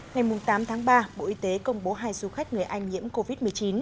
ngày tám tháng ba bộ y tế công bố hai du khách người anh nhiễm covid một mươi chín